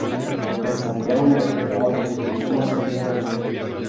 En Santiago del Estero hablan el quichua santiagueño.